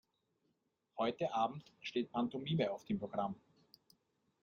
Heute Abend steht Pantomime auf dem Programm.